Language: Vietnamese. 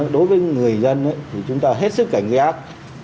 đối với người dân thì chúng ta hết sức cảnh giác